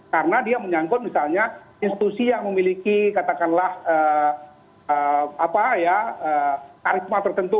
karena dia menyangkut misalnya institusi yang memiliki katakanlah karisma tertentu